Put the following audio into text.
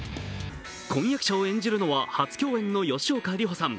婚約者を演じるのは初共演の吉岡里帆さん。